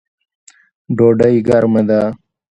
ډوډۍ ګرمه ده